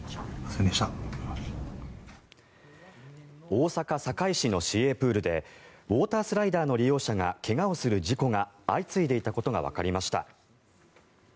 大阪・堺市の市営プールでウォータースライダーの利用者が怪我をする事故が相次いでいたことがわかりました。